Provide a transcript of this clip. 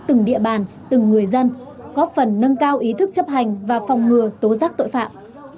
từng địa bàn từng người dân góp phần nâng cao ý thức chấp hành và phòng ngừa tố giác tội phạm